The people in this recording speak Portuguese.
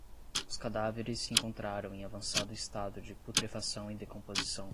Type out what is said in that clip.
Os cadáveres se encontraram em avançado estado de putrefação e decomposição